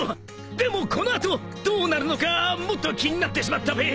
でもこの後どうなるのかもっと気になってしまったべ。